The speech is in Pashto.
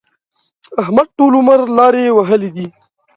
احمد ټول عمر لارې وهلې دي.